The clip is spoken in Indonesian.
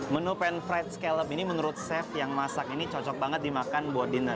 menu pan fried scallop ini menurut chef yang masak ini cocok banget dimakan buat dinner